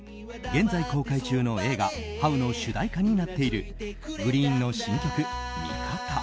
現在公開中の映画「ハウ」の主題歌になっているＧＲｅｅｅｅＮの新曲「味方」。